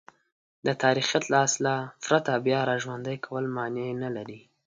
د تاریخیت له اصله پرته بیاراژوندی کول مانع نه لري.